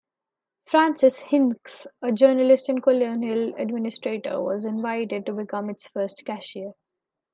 Francis Hincks, a journalist and colonial administrator, was invited to become its first cashier.